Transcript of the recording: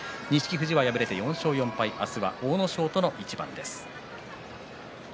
富士は４勝４敗明日は阿武咲との一番です。